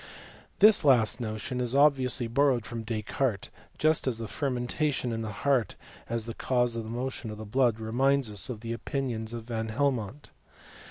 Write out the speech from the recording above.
This last notion is obviously borrowed from Descartes, just as the fermentation in the heart, as the cause of the motion of the blood, reminds us of the opinions of Van Helmont.